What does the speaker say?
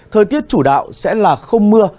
thời tiết chủ đạo sẽ là không mưa